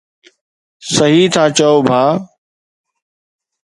صحيح ٿا چئو ڀاءُ